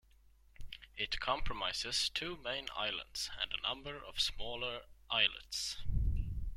It comprises two main islands and a number of smaller islets.